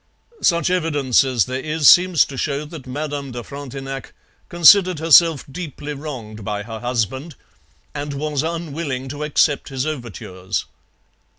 Such evidence as there is seems to show that Madame de Frontenac considered herself deeply wronged by her husband and was unwilling to accept his overtures.